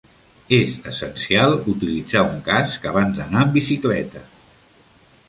És essencial utilitzar un casc abans d'anar amb bicicleta.